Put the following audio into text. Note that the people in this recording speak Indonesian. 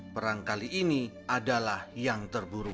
perang kali ini adalah yang terburuk